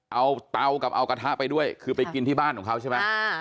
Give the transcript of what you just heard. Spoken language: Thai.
เอาเตากับเอากระทะไปด้วยคือไปกินที่บ้านของเขาใช่ไหม